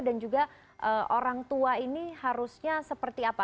juga orang tua ini harusnya seperti apa